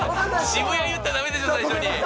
渋谷言ったらだめでしょ、最初に。